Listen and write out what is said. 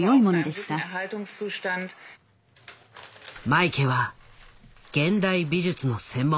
マイケは現代美術の専門家。